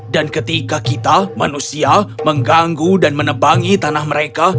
dan ketika kita manusia mengganggu dan menebangi tanah mereka